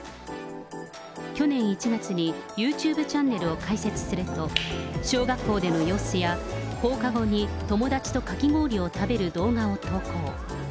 去年１月に、ユーチューブチャンネルを開設すると、小学校での様子や、放課後に友達とかき氷を食べる動画を投稿。